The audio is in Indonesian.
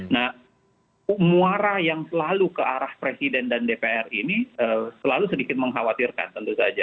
nah muara yang selalu ke arah presiden dan dpr ini selalu sedikit mengkhawatirkan tentu saja